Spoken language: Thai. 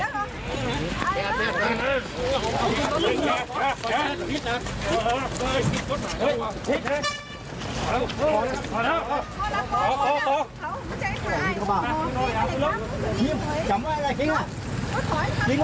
ชิ้นหน่อยนะคุณพุทธชิ้นจำว่าอะไรชิ้นล่ะ